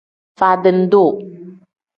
Faadini duu.